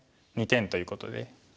２点ということで。